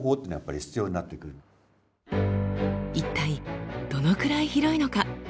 一体どのくらい広いのか？